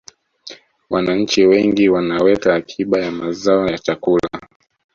wananchi wengi wanaweka akiba ya mazao ya chakula